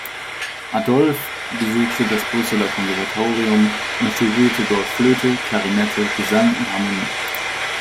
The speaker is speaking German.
Adolphe besuchte das Brüsseler Konservatorium und studierte dort Flöte, Klarinette, Gesang und Harmonie.